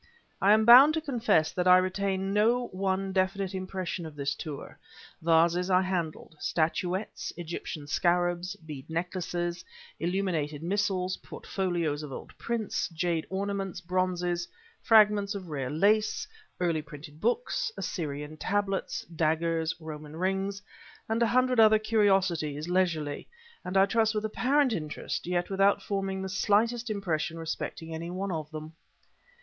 I am bound to confess that I retain no one definite impression of this tour. Vases I handled, statuettes, Egyptian scarabs, bead necklaces, illuminated missals, portfolios of old prints, jade ornaments, bronzes, fragments of rare lace, early printed books, Assyrian tablets, daggers, Roman rings, and a hundred other curiosities, leisurely, and I trust with apparent interest, yet without forming the slightest impression respecting any one of them.